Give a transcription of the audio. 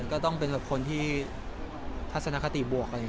ก็ต้องเป็นแบบคนที่ทัศนคติบวก